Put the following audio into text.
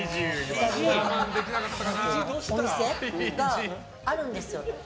お店があるんですよ。